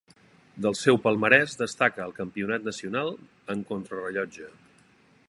Del seu palmarès destaca el campionat nacional en contrarellotge.